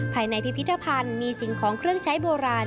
ภายในพิพิธภัณฑ์มีสิ่งของเครื่องใช้โบราณ